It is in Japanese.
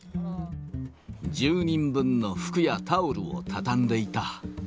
１０人分の服やタオルを畳んでいた。